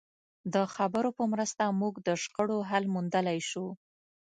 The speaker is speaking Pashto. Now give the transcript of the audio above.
د خبرو په مرسته موږ د شخړو حل موندلای شو.